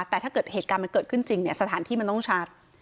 แต่ถ้าเกิดเหตุการณ์มันเกิดขึ้นจริงเนี่ยสถานที่มันต้องชัด